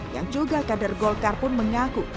yang juga kader golkar pun mengaku